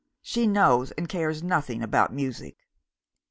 She knows and cares nothing about music.